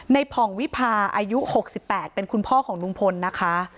ผ่องวิพาอายุ๖๘เป็นคุณพ่อของลุงพลนะคะ